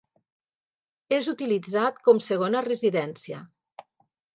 És utilitzat com segona residència.